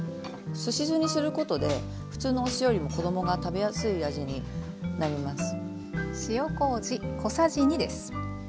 すし酢にすることで普通のお酢よりも子どもが食べやすい味になります。